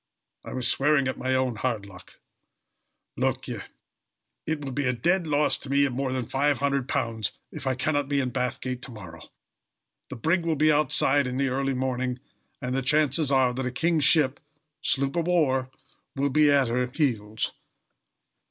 I was swearing at my own hard luck. Look ye, it will be a dead loss to me of more than £500 if I can't be in Bathgate to morrow. The brig will be outside in the early morning, and the chances are that a king's ship sloop of war will be at her heels.